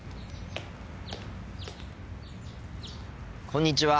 こんにちは。